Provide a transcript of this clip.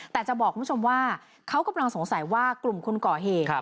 แต่จะบอกคุณผู้ชมว่าเขากำลังสงสัยว่ากลุ่มคนก่อเหตุ